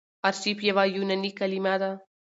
آرشیف يوه یوناني کليمه ده.